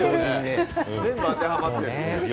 全部当てはまっている。